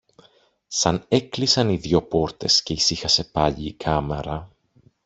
Σαν έκλεισαν οι δυο πόρτες και ησύχασε πάλι η κάμαρα